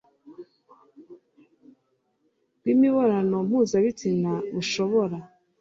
bw' imibonano mpuzabitsina bushobora